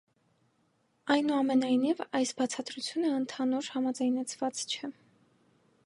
Այնուամենայնիվ այս բացատրությունը համընդհանուր համաձայնեցված չէ։